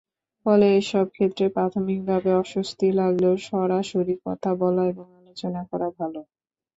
ফলে এসব ক্ষেত্রে প্রাথমিকভাবে অস্বস্তি লাগলেও সরাসরি কথা বলা এবং আলোচনা করা ভালো।